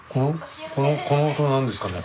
このこの音なんですかね？